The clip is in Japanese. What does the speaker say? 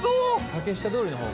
竹下通りの方？